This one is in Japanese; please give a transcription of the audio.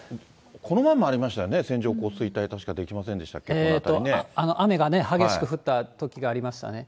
この前もありましたよね、線状降水帯、確かできました、雨がね、激しく降ったときがありましたね。